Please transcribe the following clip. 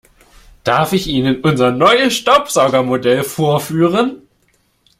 Darf ich Ihnen unser neues Staubsaugermodell vorführen?